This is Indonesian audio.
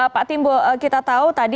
pak timbul kita tahu tadi